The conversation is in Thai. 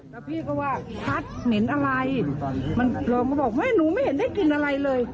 บอกว่าแม่เป็นศพเสียชีวิตแล้ว